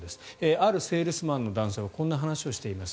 あるセールスマンの男性はこんな話をしています。